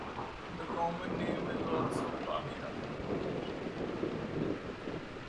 The common name is also bahia.